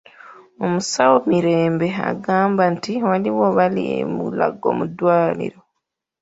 Omusawo Mirembe agamba nti waliwo abali e Mulago mu ddwaliro.